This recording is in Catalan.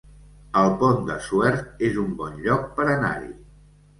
El Pont de Suert es un bon lloc per anar-hi